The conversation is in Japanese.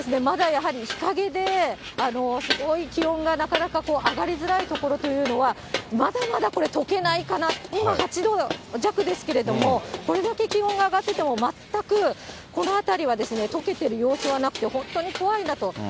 まだやはり日陰で、すごい気温がなかなか上がりづらい所というのは、まだまだこれ、とけないかな、今８度弱ですけれども、これだけ気温が上がってても全くこの辺りはとけてる様子はなくて、本当に怖いなと。